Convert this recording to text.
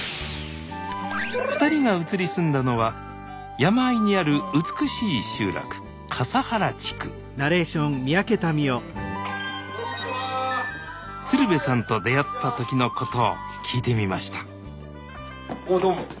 ２人が移り住んだのは山あいにある美しい集落笠原地区鶴瓶さんと出会った時のことを聞いてみましたおおどうも。